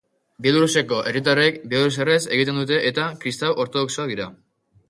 Bielorrusiako herritarrek bielorrusieraz egiten dute eta kristau ortodoxoak dira.